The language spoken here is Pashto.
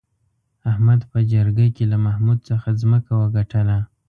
احمد په جرگه کې له محمود څخه ځمکه وگټله